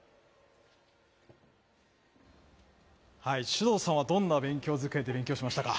首藤さんはどんな勉強机で勉強しましたか？